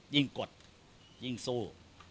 ยิ่งกดยิ่งสู้